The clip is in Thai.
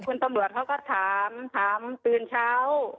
คุณตำรวจเขาก็ถามถามตื่นเช้า